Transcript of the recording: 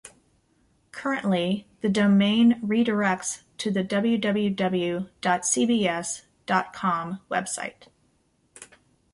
Currently, the domain redirects to the www dot cbs dot com website.